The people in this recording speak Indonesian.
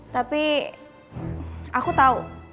tapi aku tau